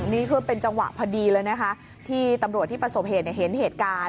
นี่คือเป็นจังหวะพอดีเลยนะคะที่ตำรวจที่ประสบเหตุเห็นเหตุการณ์